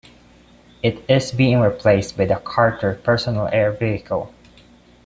It is being replaced by the Carter Personal Air Vehicle.